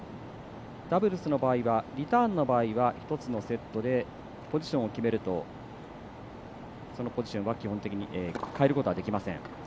ダブルスの場合リターンの場合は１つのセットでポジションを決めるとそのポジションは基本的に変えることはできません。